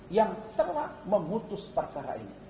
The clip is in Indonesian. yang telah memutus perkara ini